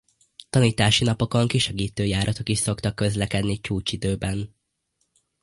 Tanítási napokon kisegítő járatok is szoktak közlekedni a csúcsidőben.